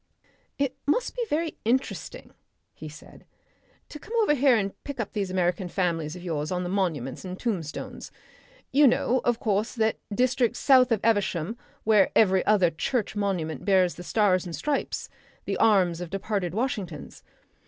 "It must be very interesting," he said, "to come over here and pick up these American families of yours on the monuments and tombstones. You know, of course, that district south of Evesham where every other church monument bears the stars and stripes, the arms of departed Washingtons.